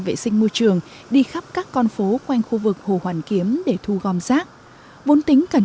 vệ sinh môi trường đi khắp các con phố quanh khu vực hồ hoàn kiếm để thu gom rác vốn tính cần